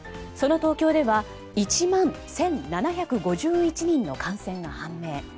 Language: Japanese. その東京では１万１７５１人の感染が判明。